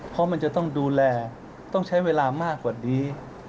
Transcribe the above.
เพราะมันจะต้องดูแลต้องใช้เวลามากกว่านี้